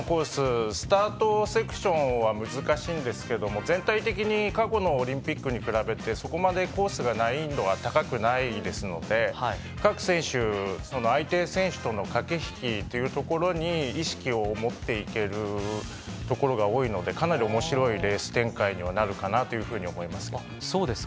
スタートセクションは難しいんですが、全体的に過去のオリンピックに比べてそこまでコースの難易度が高くないので各選手、相手選手との駆け引きというところに意識を持っていけるところが多いのでかなりおもしろいレース展開になるかなと思います。